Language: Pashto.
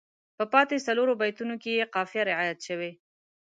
په پاتې څلورو بیتونو کې یې قافیه رعایت شوې.